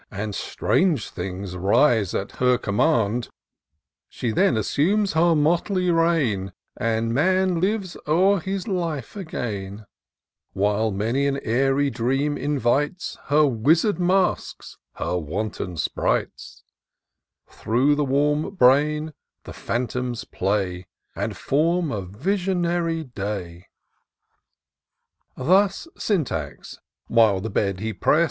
And strange things rise at her command ; !N SEARCH OF THE PICTURESQUE. 137 She then assumes her motley reign, And man lives o'er his life again ; While many an airy dream invites Her wizard masks, her wanton sprites ; Through the warm brain the phantoms play, And form a visionary day* Thus Syntax, while the bed he prest.